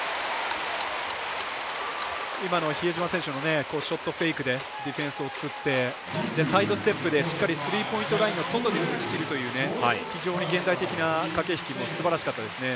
今の、比江島選手のショットフェイクでディフェンスをつってサイドステップでしっかりスリーポイントラインの外で打ちきるという非常に現代的な駆け引きもすばらしかったですね。